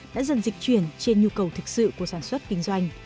đã dần dịch chuyển trên nhu cầu thực sự của sản xuất kinh doanh